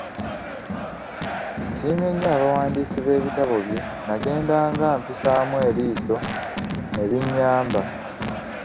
Nsiimye nnyo abawandiisi b'ebitabo bye nnagendanga mpisaamu eriiso ne binnyamba.